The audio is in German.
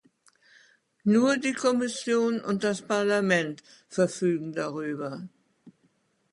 Nur die Kommission und das Parlament verfügen darüber.